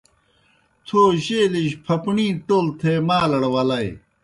تھو جیلِجیْ پھپݨِی ٹول تھے مالڑ ولائے۔